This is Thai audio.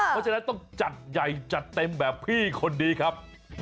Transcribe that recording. วันที่นั้นต้องจัดใหญ่จัดเต็มแบบพี่คนดีครับ